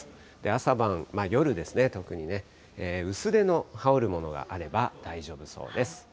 朝晩、夜ですね、特にね、薄手の羽織るものがあれば大丈夫そうです。